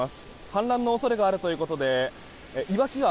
氾濫の恐れがあるということで岩木川